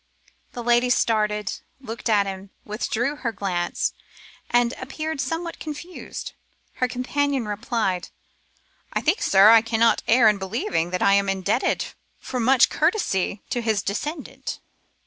The lady started, looked at him, withdrew her glance, and appeared somewhat confused. Her companion replied, 'I think, sir, I cannot err in believing that I am indebted for much courtesy to his descendant?